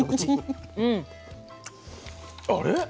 あれ？